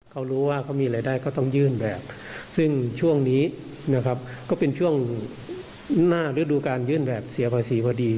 เขารู้ว่าเขามีรายได้ก็ต้องยื่นแบบซึ่งช่วงนี้นะครับก็เป็นช่วงหน้าฤดูการยื่นแบบเสียภาษีพอดี